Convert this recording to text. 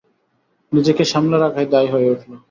নিজেকে সামলে রাখাই দায় হয়ে উঠল।